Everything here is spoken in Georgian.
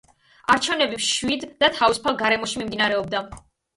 არჩევნები მშვიდ და თავისუფალ გარემოში მიმდინარეობდა.